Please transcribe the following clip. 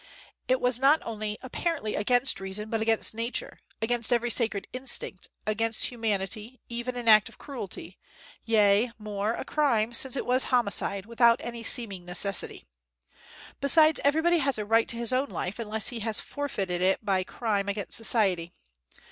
It was not only apparently against reason, but against nature, against every sacred instinct, against humanity, even an act of cruelty, yea, more, a crime, since it was homicide, without any seeming necessity. Besides, everybody has a right to his own life, unless he has forfeited it by crime against society.